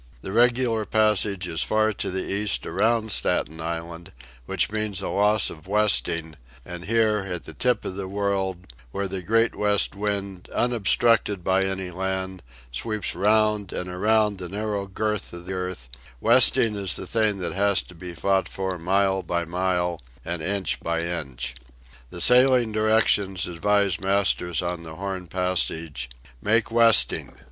The regular passage is far to the east around Staten Island, which means a loss of westing, and here, at the tip of the world, where the great west wind, unobstructed by any land, sweeps round and around the narrow girth of earth, westing is the thing that has to be fought for mile by mile and inch by inch. The Sailing Directions advise masters on the Horn passage: Make Westing.